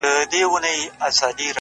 گراني اوس دي سترگي رانه پټي كړه!